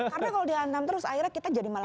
karena kalau dihantam terus akhirnya kita jadi malang